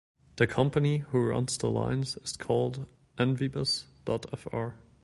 The company who runs the lines is called "Envibus.fr".